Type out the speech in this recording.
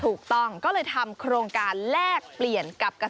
ถูกต้องก็เลยทำโครงการแลกเปลี่ยน